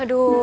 eh dona rifah